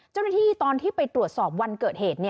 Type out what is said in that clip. เจ้าหน้าที่ตอนที่ไปตรวจสอบวันเกิดเหตุ